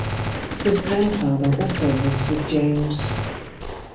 His grandfather also lives with James.